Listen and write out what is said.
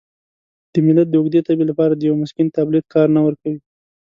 د ملت د اوږدې تبې لپاره د یوه مسکن تابلیت کار نه ورکوي.